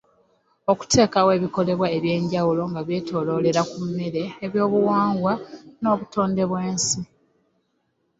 Okuteekawo ebikolebwa eby’enjawulo nga byetoolorera ku mmere, eby’obuwangwa, n’obutonde bw’ensi.